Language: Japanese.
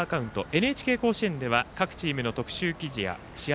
「ＮＨＫ甲子園」では各チームの特集記事や試合